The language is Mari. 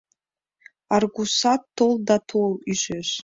Аргусат «тол да тол» — ӱжеш.